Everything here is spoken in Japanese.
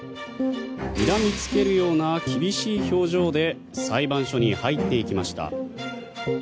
にらみつけるような厳しい表情で裁判所に入っていきました。